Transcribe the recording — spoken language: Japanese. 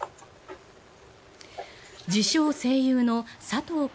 自称・声優の佐藤仰